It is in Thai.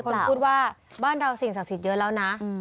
คนพูดว่าบ้านเราสิ่งศักดิ์สิทธิ์เยอะแล้วนะ